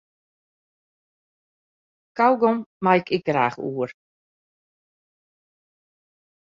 Kaugom mei ik graach oer.